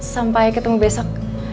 sampai ketemu besok